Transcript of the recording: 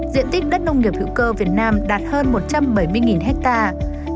diện tích đất nông nghiệp hữu cơ việt nam đạt hơn một trăm bảy mươi hectare